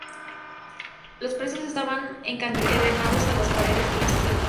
Los presos estaban encadenados a las paredes de sus celdas.